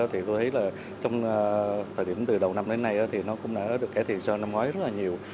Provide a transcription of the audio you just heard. thời điểm từ đầu năm đến nay thì nó cũng đã được cải thiện so với năm ngoái rất là nhiều